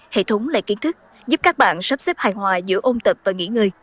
hệ thống lệ kiến thức giúp các bạn sắp xếp hài hòa giữa ôn tập và nghỉ ngơi